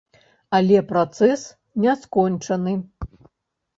Але працэс не скончаны.